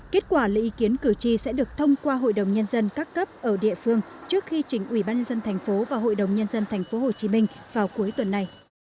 kết quả lấy ý kiến cử tri sẽ được thông qua hội đồng nhân dân các cấp ở địa phương trước khi chỉnh ủy ban nhân dân thành phố và hội đồng nhân dân tp hcm vào cuối tuần này